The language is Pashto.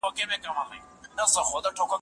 زه يې په خبرو پوهېدای نهشم